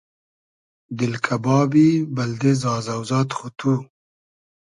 دیل کئبابی بئلدې زازۆزاد خو تو